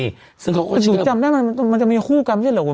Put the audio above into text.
อยู่ที่จำได้มันจะมีคู่กันไม่ใช่เหรอแม่